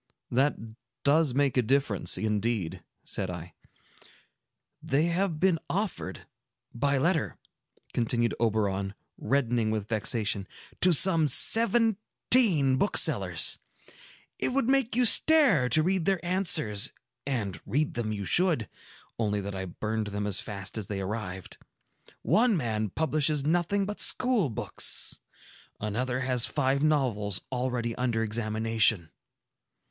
"That does make a difference, indeed," said I. "They have been offered, by letter," continued Oberon, reddening with vexation, "to some seventeen booksellers. It would make you stare to read their answers; and read them you should, only that I burnt them as fast as they arrived. One man publishes nothing but school books; another has five novels already under examination."